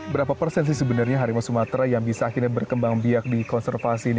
berapa persen sih sebenarnya harimau sumatera yang bisa akhirnya berkembang biak di konservasi ini